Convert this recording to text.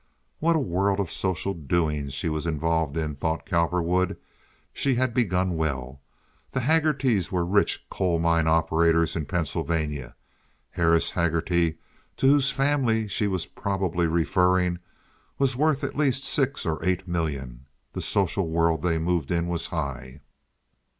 What a world of social doings she was involved in, thought Cowperwood. She had begun well. The Haggertys were rich coal mine operators in Pennsylvania. Harris Haggerty, to whose family she was probably referring, was worth at least six or eight million. The social world they moved in was high.